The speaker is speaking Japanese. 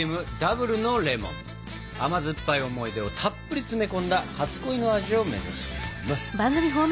甘酸っぱい思い出をたっぷり詰め込んだ初恋の味を目指します！